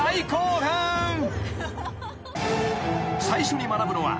［最初に学ぶのは］